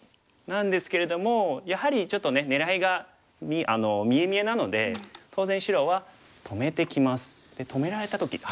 なんですけれどもやはりちょっとね狙いが見え見えなので当然白は止めてきます。で止められた時。